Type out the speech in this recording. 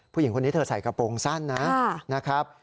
ผู้หญิงคนนี้เธอใส่กระโปรงสั้นนะครับ